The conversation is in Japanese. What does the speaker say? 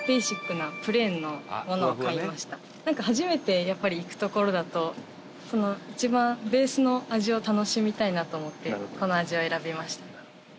なんか、初めて行く所だと一番ベースの味を楽しみたいなと思ってこの味を選びました。